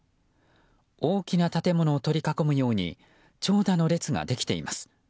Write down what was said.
大きな建物を取り囲むように長蛇の列ができています。